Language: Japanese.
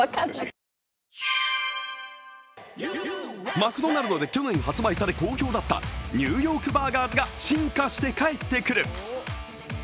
マクドナルドで去年発売され好評だったＮ．Ｙ．バーガーズが進化して帰ってくる。